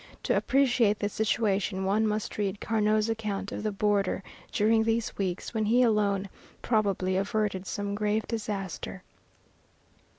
To appreciate the situation one must read Carnot's account of the border during these weeks when he alone, probably, averted some grave disaster.